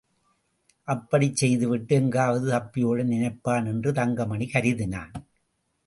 அப்படிச் செய்துவிட்டு எங்காவது தப்பியோட நினைப்பான், என்று தங்கமணி கருதினான்.